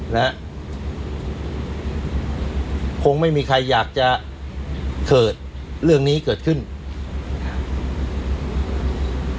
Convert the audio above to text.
และคงไม่มีใครอยากจะเกิดเรื่องนี้เกิดขึ้นนะครับ